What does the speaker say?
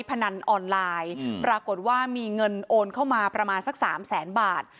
พนันออนไลน์ปรากฏว่ามีเงินโอนเข้ามาประมาณสักสามแสนบาท